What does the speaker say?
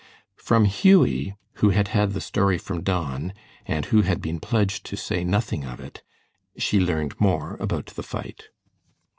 From Hughie, who had had the story from Don, and who had been pledged to say nothing of it, she learned more about the fight.